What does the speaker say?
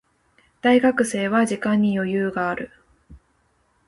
大学生は時間に余裕がある。